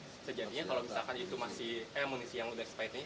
sejadinya kalau misalkan itu masih eh munisi yang sudah eksploit ini